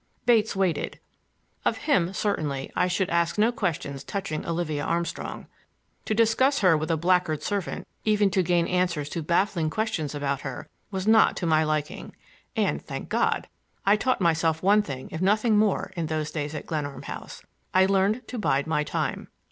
Bates waited. Of him, certainly, I should ask no questions touching Olivia Armstrong. To discuss her with a blackguard servant even to gain answers to baffling questions about her was not to my liking. And, thank God! I taught myself one thing, if nothing more, in those days at Glenarm House: I learned to bide my time.